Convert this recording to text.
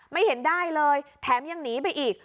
เห็นได้เลยแถมยังหนีไปอีก